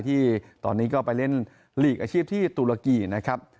ที่ตอนนี้ก็ไปเล่นหลีกอาชีพที่ตุรกีนะครับ